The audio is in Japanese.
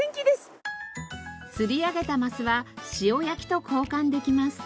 釣り上げたマスは塩焼きと交換できます。